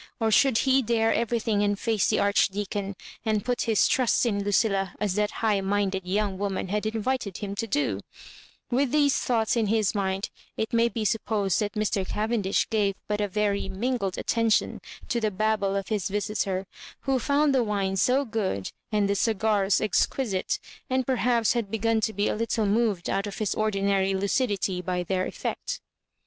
or should he dare everything and face the Archdeacon, and put his trust in Lucilla, as that high minded young woman had invited him to do f With these thoughts in his mind, it may be supposed that Mr. Cavendish gave but a very mingled attention to the babble of his visitor, who found the wine so good and the cigars exquisite, and perhaps had begun to be a little moved out of his ordinary lucidity by their effect.